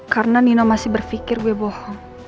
karena nino masih berpikir gue bohong